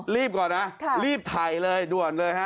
ก่อนนะรีบถ่ายเลยด่วนเลยฮะ